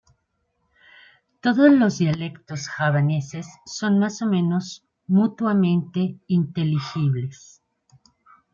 Todos los dialectos javaneses son más o menos mutuamente inteligibles.